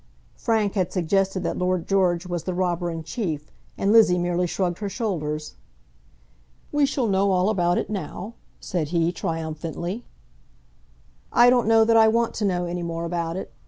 Frank had suggested that Lord George was the robber in chief, and Lizzie merely shrugged her shoulders. "We shall know all about it now," said he triumphantly. "I don't know that I want to know any more about it.